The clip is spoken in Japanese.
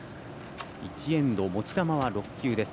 １エンド、持ち球は６球。